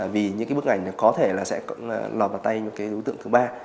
vì những cái bức ảnh có thể là sẽ lọt vào tay những cái đối tượng thứ ba